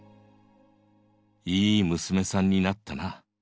いい娘さんになったナ。